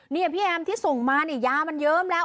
นี่พี่แอมที่ส่งมานี่ยามันเยิ้มแล้ว